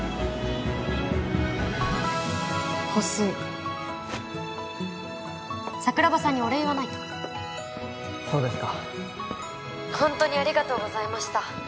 こすい桜庭さんにお礼言わないとそうですか☎ホントにありがとうございました